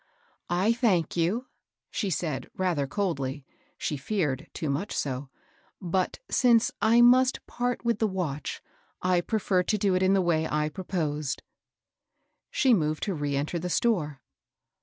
" I thank you," she said, rather coldly, — she feared too much so, —" but, since I must part with the watch, I prefer to do so in the way I proposed." She moved to re enter the store.